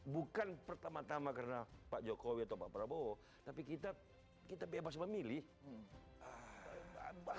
bukan pertama tama karena pak jokowi atau pak prabowo tapi kita bebas memilih